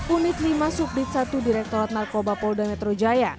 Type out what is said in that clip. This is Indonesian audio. unit lima subdit satu direktorat narkoba polda metro jaya